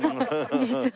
実は。